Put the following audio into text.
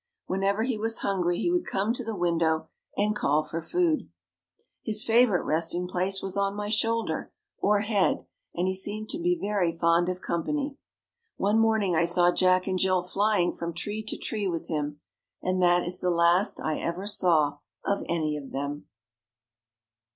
Whenever he was hungry he would come to the window and call for food. His favorite resting place was on my shoulder or head and he seemed to be very fond of company. One morning I saw Jack and Jill flying from tree to tree with him and that is the last I ever saw of any of them.